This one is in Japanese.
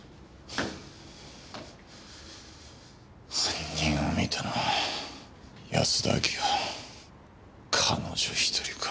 犯人を見たのは安田明代彼女一人か。